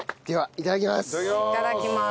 いただきまーす。